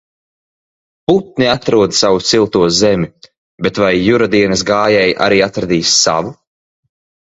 Putni atrod savu silto zemi, bet vai Jura dienas gājēji arī atradīs savu?